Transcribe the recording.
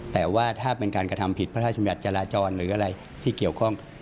แต่ว่าถ้าเป็นการกระทำผิดพระราชบัญญัติจราจรหรืออะไรที่เกี่ยวข้อง